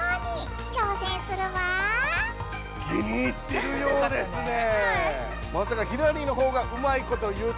気に入ってるようですね！